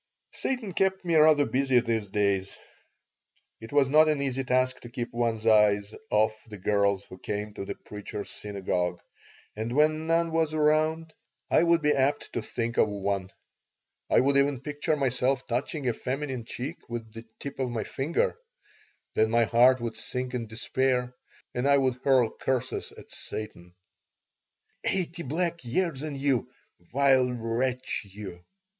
Satan kept me rather busy these days. It was not an easy task to keep one's eyes off the girls who came to the Preacher's Synagogue, and when none was around I would be apt to think of one. I would even picture myself touching a feminine cheek with the tip of my finger. Then my heart would sink in despair and I would hurl curses at Satan "Eighty black years on you, vile wretch you!"